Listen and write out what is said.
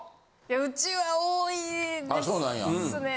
うちは多いですね。